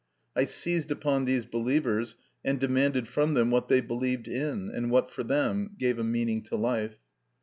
I seized upon these believers, and demanded from them what they believed in, and what for them gave a meaning to life.